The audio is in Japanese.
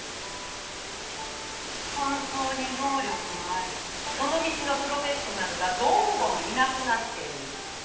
本当に能力のあるその道のプロフェッショナルがどんどんいなくなっている。